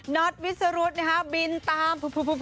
น็อตวิสรุธนะฮะบินตาม